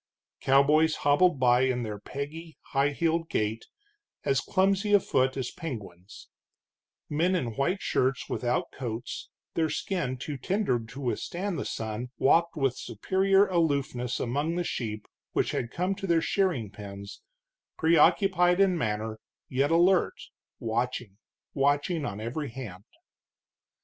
Cowboys hobbled by in their peggy, high heeled gait, as clumsy afoot as penguins; men in white shirts without coats, their skin too tender to withstand the sun, walked with superior aloofness among the sheep which had come to their shearing pens, preoccupied in manner, yet alert, watching, watching, on every hand.